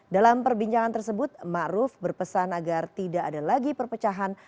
dalam perbincangan tersebut ⁇ maruf ⁇ berpesan agar tidak ada lagi perpecahan